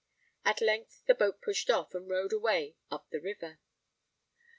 At length the boat pushed off, and rowed away up the river.